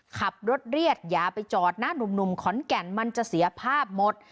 ขับรถเรียกอย่าไปจอดนะหนุ่มขอนแก่นมันจะเสียภาพหมด